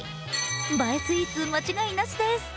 映えスイーツ間違いなしです。